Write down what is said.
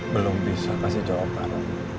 belum bisa kasih jawaban